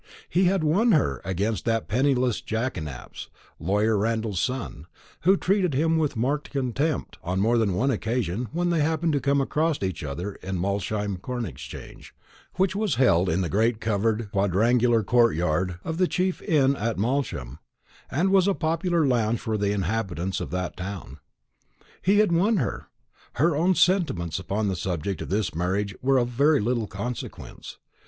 He had won her, against that penniless young jackanapes, lawyer Randall's son, who had treated him with marked contempt on more than one occasion when they happened to come across each other in Malsham Corn exchange, which was held in the great covered quadrangular courtyard of the chief inn at Malsham, and was a popular lounge for the inhabitants of that town. He had won her; her own sentiments upon the subject of this marriage were of very little consequence.